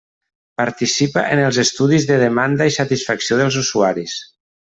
Participa en els estudis de demanda i satisfacció dels usuaris.